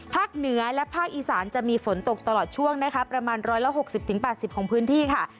เหนือและภาคอีสานจะมีฝนตกตลอดช่วงนะคะประมาณ๑๖๐๘๐ของพื้นที่ค่ะ